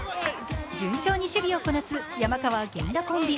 順調に守備をこなす山川・源田コンビ。